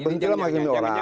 berhentilah menghakimi orang